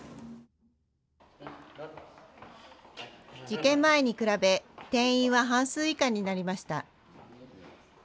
事件前に比べ定員は半数以下になりました。